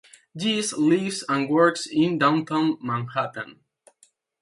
Jesse lives and works in downtown Manhattan.